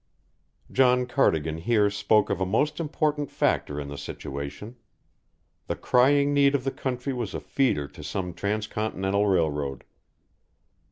John Cardigan here spoke of a most important factor in the situation. The crying need of the country was a feeder to some transcontinental railroad.